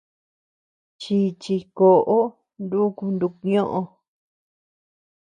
Chichi koʼo nuku nukñoʼö.